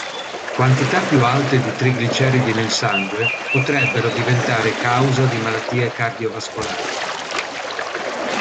Quantità più alte di trigliceridi nel sangue potrebbero diventare causa di malattie cardiovascolari.